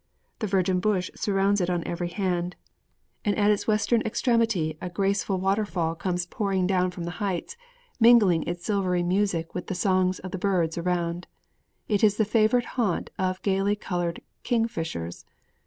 The virgin bush surrounds it on every hand; at its western extremity a graceful waterfall comes pouring down from the heights, mingling its silvery music with the songs of the birds around. It is the favorite haunt of gaily colored kingfishers.